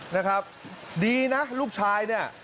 นะครับดีนะลูกชายเนี่ย